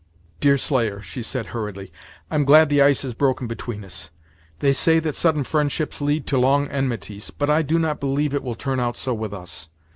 "Deerslayer," she said, hurriedly, "I'm glad the ice is broke between us. They say that sudden friendships lead to long enmities, but I do not believe it will turn out so with us.